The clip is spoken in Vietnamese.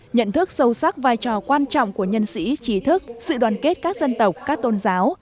nhận thức sâu sắc vai trò quan trọng của nhân sĩ trí thức sự đoàn kết các dân tộc các tôn giáo